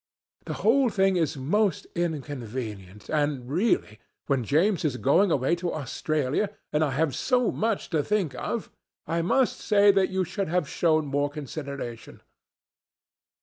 The whole thing is most inconvenient, and really, when James is going away to Australia, and I have so much to think of, I must say that you should have shown more consideration.